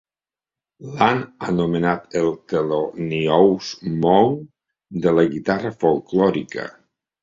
L'han anomenat el Thelonious Monk de la guitarra folklòrica.